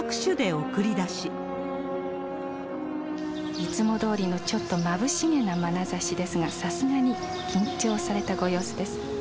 いつもどおりの、ちょっとまぶしげなまなざしですが、さすがに緊張されたご様子です。